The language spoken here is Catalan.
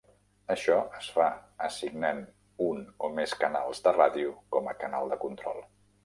Això es fa assignant un o més canals de ràdio com a canal de control.